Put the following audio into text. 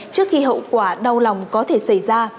trước khi hậu quả đau lòng có thể xảy ra